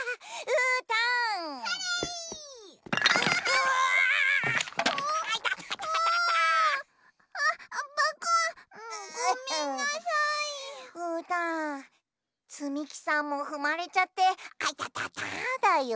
うーたんつみきさんもふまれちゃってあいたただよ。